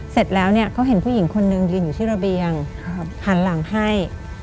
เสร็จแล้วเนี่ยเขาเห็นผู้หญิงคนนึงยืนอยู่ที่ระเบียงหันหลังให้